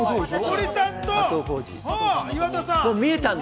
森さんと岩田さん。